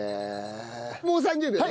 もう３０秒ね。